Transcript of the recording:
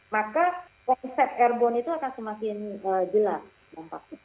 maka konsep airborne itu akan semakin jelas dampaknya